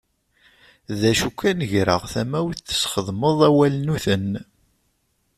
D acu kan greɣ tamawt tesxedmeḍ awalnuten.